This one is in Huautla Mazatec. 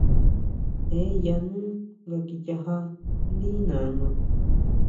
Je yanú nga kichajá ndí nana.